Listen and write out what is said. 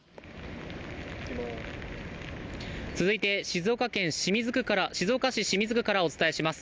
続いて静岡県清水区からお伝えします。